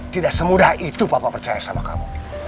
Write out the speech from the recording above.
tidak semudah itu bapak percaya sama kamu